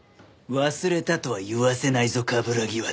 忘れたとは言わせないぞ冠城亘。